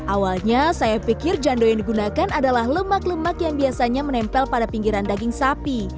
awalnya saya pikir jando yang digunakan adalah lemak lemak yang biasanya menempel pada pinggiran daging sapi